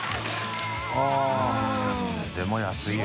舛叩それでも安いよ。